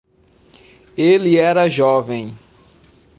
Ele era jovem